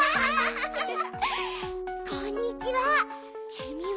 こんにちは！